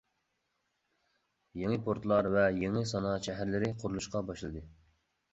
يېڭى پورتلار ۋە يېڭى سانائەت شەھەرلىرى قۇرۇلۇشقا باشلىدى.